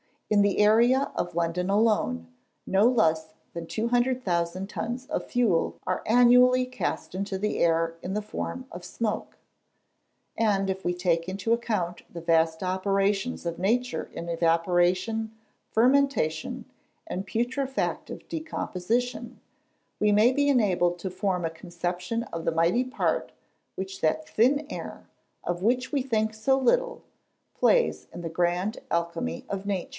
In the area of London alone, no less than 200,000 tons of fuel are annually cast into the air in the form of smoke. And if we take into account the vast operations of nature in evaporation, fermentation, and putrefactive decomposition, we may be enabled to form a conception of the mighty part which that thin air, of which we think so little, plays in the grand alchemy of nature.